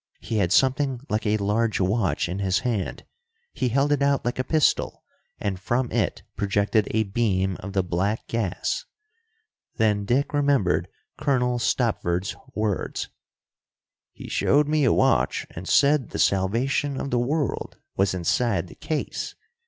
He had something like a large watch in his hand. He held it out like a pistol, and from it projected a beam of the black gas. Then Dick remembered Colonel Stopford's words: "He showed me a watch and said the salvation of the world was inside the case.